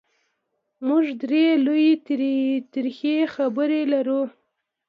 موږ درې لویې ترخې خبرې لرو: